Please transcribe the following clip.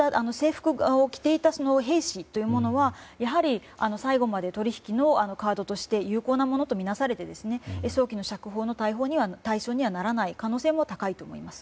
そうした兵士というのはやはり、最後まで取引のカードとして有効なものとみなされて早期の釈放の対象にはならない可能性も高いと思います。